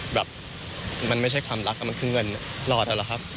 แบบมันไม่ใช่ความรักอ่ะมันคือเงินรอดแล้วหรอครับ